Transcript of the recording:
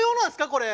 これ。